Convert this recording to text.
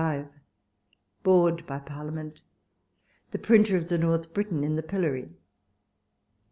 A5 BORED BY PARLIAMENT— THE PRINTER OF THE "NORTH BRITON" IN THE PILLORY.